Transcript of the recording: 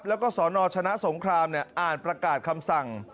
แล้วก็สนชนะสงครามอ่านประกาศคำสั่ง